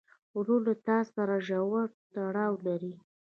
ورور له تا سره ژور تړاو لري.